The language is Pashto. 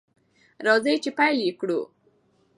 راځئ چې پیل یې کړو.